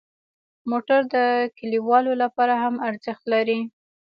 موټر د کلیوالو لپاره هم ارزښت لري.